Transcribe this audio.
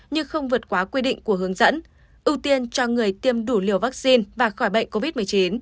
nhưng không vượt quá quy định của hướng dẫn ưu tiên cho người tiêm đủ liều vaccine và khỏi bệnh covid một mươi chín